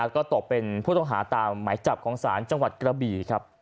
ก็ตกเป็นผู้ต้องหาตามหมายจับของศาลจังหวัดกระบี่ครับ